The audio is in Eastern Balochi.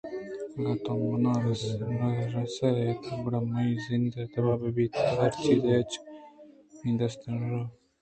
اگاں تو من ءَنہ رستئے گڑا منی زند تباہ بیت گڑا ہرچیزے اچ منی دست ءَ روت